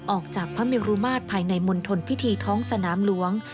ออกจากพระเมรุมาตรภายในมณฑลพิธีท้องสนามหลวง